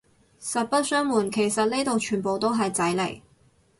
實不相暪，其實呢度全部都係仔嚟